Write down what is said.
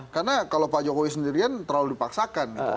karena kalau pak jokowi sendirian terlalu dipaksakan gitu